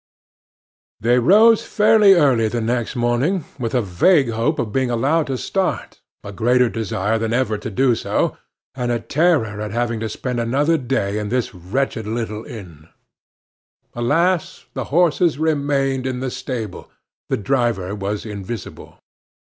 They rose fairly early the next morning, with a vague hope of being allowed to start, a greater desire than ever to do so, and a terror at having to spend another day in this wretched little inn. Alas! the horses remained in the stable, the driver was invisible.